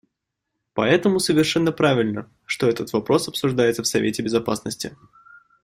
Поэтому совершенно правильно, что этот вопрос обсуждается в Совете Безопасности.